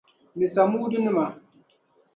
Ni Samuudu nima.